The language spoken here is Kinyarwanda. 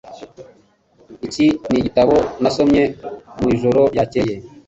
Iki nigitabo nasomye mwijoro ryakeye